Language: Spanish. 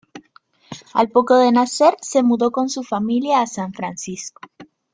Al poco de nacer, se mudó con su familia a San Francisco.